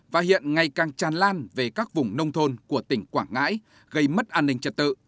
và hiện ngày càng tràn lan về các vùng nông thôn của tỉnh quảng ngãi gây mất an ninh trật tự